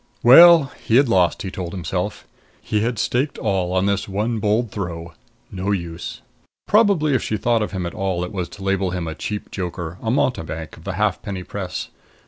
Well, he had lost, he told himself. He had staked all on this one bold throw; no use. Probably if she thought of him at all it was to label him a cheap joker, a mountebank of the halfpenny press.